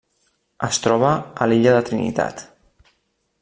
Es troba a l'illa de Trinitat.